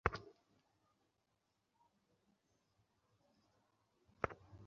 আর বিদ্যুতের লাইন কীভাবে কাটবো?